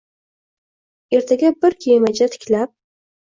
ertaga bir kemacha tiklab